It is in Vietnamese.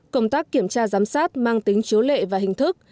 công tác kiểm tra giám sát mang tính chiếu lệ và hình thức